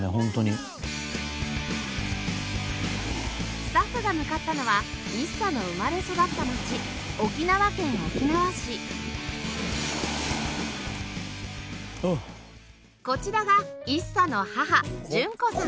スタッフが向かったのは ＩＳＳＡ の生まれ育った町こちらが ＩＳＳＡ の母純子さん